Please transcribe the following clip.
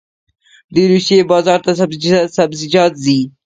د روسیې بازار ته سبزیجات ځي